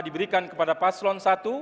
diberikan kepada pak selon i